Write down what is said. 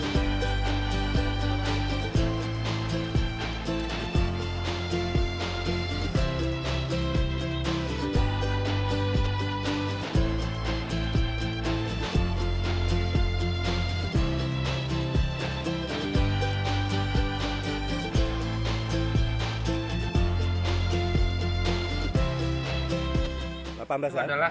mas pak ambas adalas